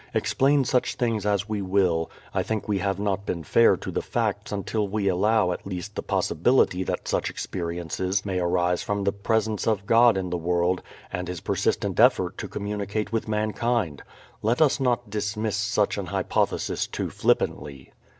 Explain such things as we will, I think we have not been fair to the facts until we allow at least the possibility that such experiences may arise from the Presence of God in the world and His persistent effort to communicate with mankind. Let us not dismiss such an hypothesis too flippantly.